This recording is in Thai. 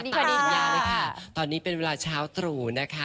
ตอนนี้ค่ะตอนนี้เป็นเวลาเช้าตรู่นะคะ